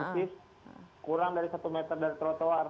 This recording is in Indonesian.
kurang dari satu meter dari trotoar